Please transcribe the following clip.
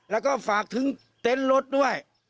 แล้วก็ฝากถึงเต็นต์รถด้วย